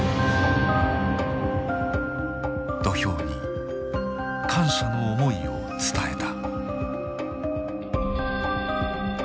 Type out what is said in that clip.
土俵に感謝の思いを伝えた。